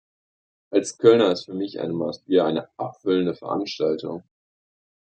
Als Kölner ist für mich eine Maß Bier eine abendfüllende Veranstaltung.